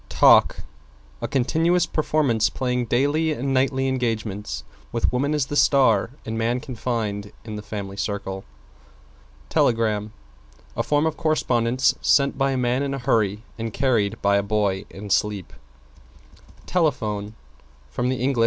=TALK= A continuous performance playing daily and nightly engagements, with Woman as the star and Man confined in the Family Circle. =TELEGRAM= A form of correspondence sent by a man in a hurry and carried by a boy in sleep. =TELEPHONE= From Eng.